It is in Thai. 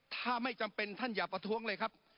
ถ้าไม่จำเป็นท่านอย่าประท้วงเลยครับ